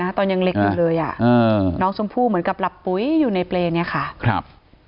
ตอนยังเล็กอยู่เลยน้องชมพู่เหมือนกับหลับปุ๋ยอยู่ในเปรย์เนี่ยค่ะครับ